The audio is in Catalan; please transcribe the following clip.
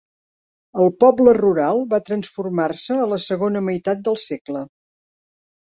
El poble rural va transformar-se a la segona meitat del segle.